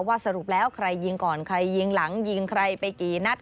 สรุปแล้วใครยิงก่อนใครยิงหลังยิงใครไปกี่นัด